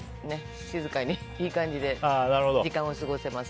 静かに、いい感じで時間を過ごせます。